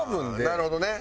なるほどね。